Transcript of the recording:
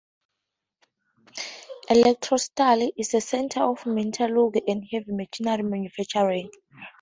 Elektrostal is a center of metallurgy and heavy machinery manufacturing.